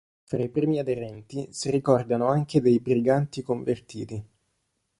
Fra i primi aderenti si ricordano anche dei briganti convertiti.